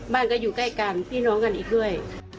บ้านก็อยู่ใกล้กันพี่น้องกันอีกด้วย